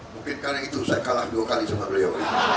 mungkin karena itu saya kalah dua kali sama beliau